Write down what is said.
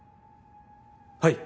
はい。